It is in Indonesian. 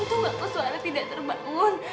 untung aku suara tidak terbangun